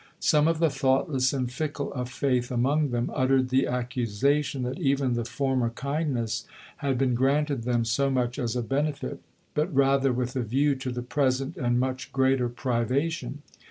Some of the thoughtless and fickle of faith among them uttered the accusation that even the former kindness had been granted them so much as a benefit, but rather with a view to the present and much greater privation.